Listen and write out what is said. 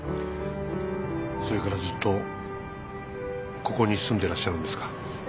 それからずっとここに住んでらっしゃるんですか？